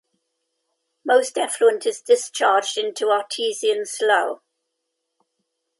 Most effluent is discharged into Artesian Slough.